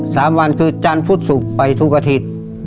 สามวันคือจันทร์พุธศุกร์ไปทุกอาทิตย์